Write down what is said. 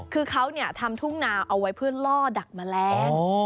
คือเขาทำทุ่งนาเอาไว้เพื่อล่อดักแมลง